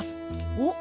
おっ！